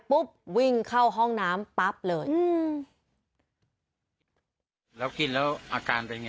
ปุ๊บวิ่งเข้าห้องน้ำปั๊บเลยอืมแล้วกินแล้วอาการเป็นไง